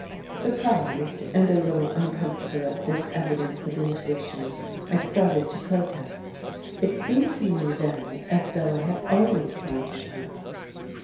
Surprised, and a little uncomfortable at this evidence of intuition, I started to protest. It seemed to me then as though I had always wanted her.